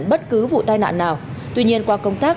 bất cứ vụ tai nạn nào tuy nhiên qua công tác